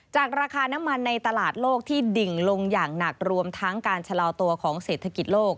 ราคาน้ำมันในตลาดโลกที่ดิ่งลงอย่างหนักรวมทั้งการชะลอตัวของเศรษฐกิจโลก